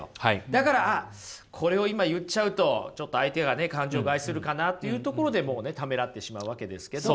だからあっこれを今言っちゃうとちょっと相手が感情を害するかなというところでもうねためらってしまうわけですけど。